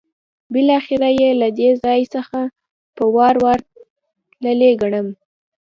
بالاخره یې له دې ځای څخه په وار وار تللی ګڼم.